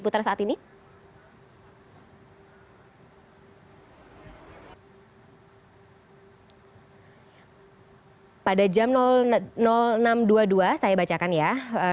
pada jam enam dua puluh dua saya bacakan ya